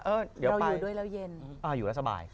เดี๋ยวเราอยู่ด้วยแล้วเย็นอยู่แล้วสบาย